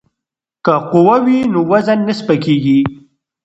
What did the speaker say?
که قوه وي نو وزن نه سپکیږي.